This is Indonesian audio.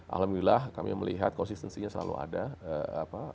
alhamdulillah kami melihat konsistensinya selalu ada